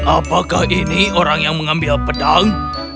apakah ini orang yang mengambil pedang